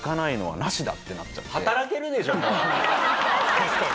確かに。